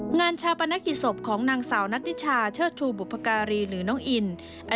งานชาปนกิจศพของนางสาวนัทธิชาเชิดชูบุพการีหรือน้องอิน